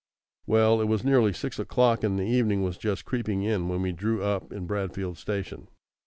Well, it was nearly six o'clock, and evening was just creeping in when we drew up in Bradfield Station.